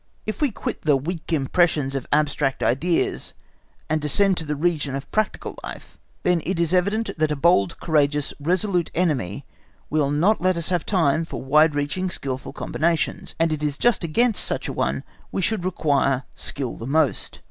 If we quit the weak impressions of abstract ideas and descend to the region of practical life, then it is evident that a bold, courageous, resolute enemy will not let us have time for wide reaching skilful combinations, and it is just against such a one we should require skill the most.